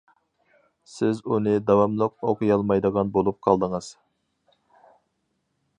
سىز ئۇنى داۋاملىق ئوقۇيالمايدىغان بولۇپ قالدىڭىز.